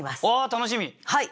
楽しみ。